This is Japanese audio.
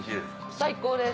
最高です。